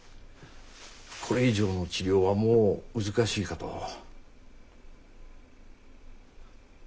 これ以上の治療はもう難しいかと。